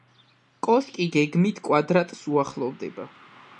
კოშკი გეგმით კვადრატს უახლოვდება.